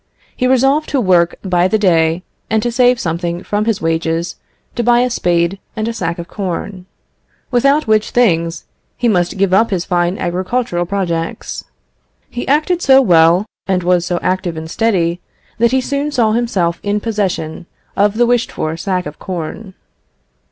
He resolved to work by the day, and to save something from his wages to buy a spade and a sack of corn; without which things, he must give up his fine agricultural projects. He acted so well, was so active and steady, that he soon saw himself in possession of the wished for sack of corn.